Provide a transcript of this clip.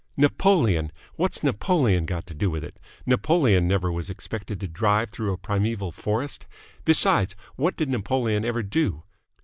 "Napoleon! What's Napoleon got to do with it? Napoleon never was expected to drive through a primeval forest. Besides, what did Napoleon ever do?